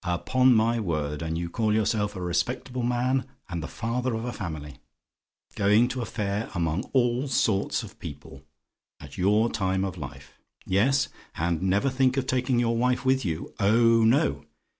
Upon my word! And you call yourself a respectable man, and the father of a family! Going to a fair among all sorts of people, at your time of life. Yes; and never think of taking your wife with you. Oh no!